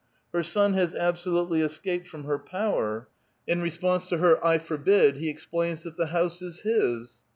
Her son has absohitely escaped from her power ! In response to her *' I forbid *' he explains that the house is his